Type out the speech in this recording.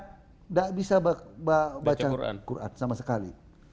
tidak bisa baca al qur'an sama sekali